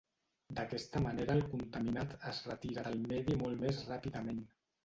D’aquesta manera el contaminat es retira del medi molt més ràpidament.